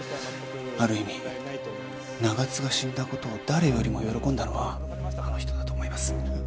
ある意味長津が死んだ事を誰よりも喜んだのはあの人だと思います。